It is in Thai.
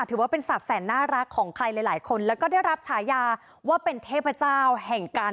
ถือว่าเป็นสัตว์แสนน่ารักของใครหลายคนแล้วก็ได้รับฉายาว่าเป็นเทพเจ้าแห่งการ